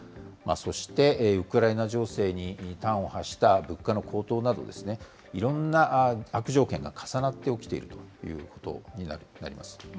そしてウクライナ情勢に端を発した物価の高騰など、いろんな悪条件が重なって起きているということになります。